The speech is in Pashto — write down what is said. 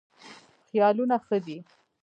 خیالونه ښه دي.